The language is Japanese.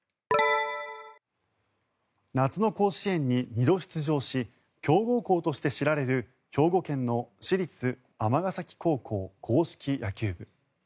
夏の甲子園に２度出場し強豪校として知られる兵庫県の市立尼崎高校硬式野球部。